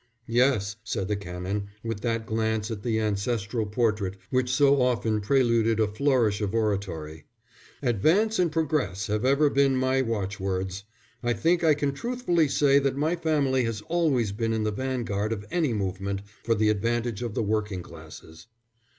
"Yes," said the Canon, with that glance at the ancestral portrait which so often preluded a flourish of oratory. "Advance and progress have ever been my watchwords. I think I can truthfully say that my family has always been in the vanguard of any movement for the advantage of the working classes."